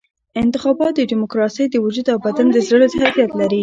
انتخابات د ډیموکراسۍ د وجود او بدن د زړه حیثیت لري.